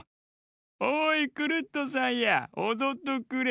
「おいクルットさんやおどっとくれ」。